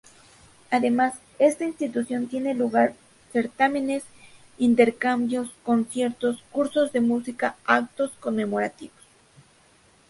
Además, esta institución tiene lugar certámenes, intercambios, conciertos, cursos de música, actos conmemorativos...